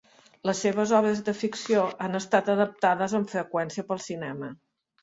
Les seves obres de ficció han estat adaptades amb freqüència per al cinema.